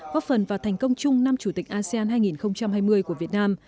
góp phần vào thành công chung năm chủ tịch asean hai nghìn hai mươi của việt nam